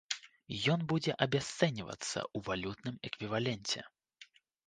Ён будзе абясцэньвацца ў валютным эквіваленце.